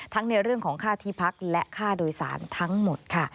ในเรื่องของค่าที่พักและค่าโดยสารทั้งหมดค่ะ